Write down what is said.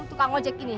tukang ojek ini